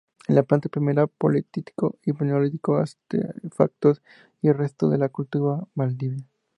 En la planta primera Paleolítico y Neolítico artefactos y restos de la Cultura Valdivia.